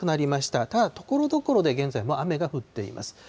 ただところどころで現在も雨が降っています。